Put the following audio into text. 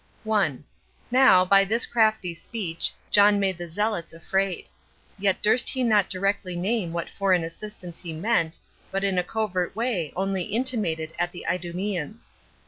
1. Now, by this crafty speech, John made the zealots afraid; yet durst he not directly name what foreign assistance he meant, but in a covert way only intimated at the Idumeans.